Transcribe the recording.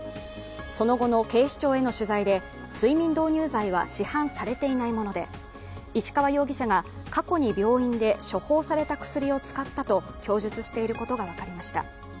その後の警視庁への取材で睡眠導入剤は市販されていないもので石川容疑者が過去に病院で処方された薬を使ったと供述していることが分かりました。